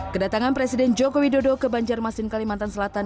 kedatangan presiden jokowi dodo ke banjarmasin kalimantan selatan